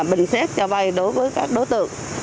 bình xét cho vay đối với các đối tượng